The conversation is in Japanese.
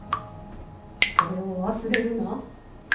それを忘れるな。